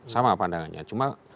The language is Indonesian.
sama pandangannya cuma